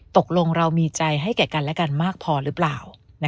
ตกลงเรามีใจให้แก่กันและกันมากพอหรือเปล่า